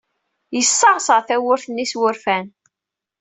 Yeṣṣeɛṣeɛ tawwurt s wurfan.